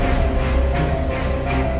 persetan dengan kekasihmu